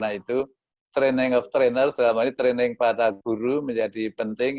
nah itu training of trainer selama ini training pada guru menjadi penting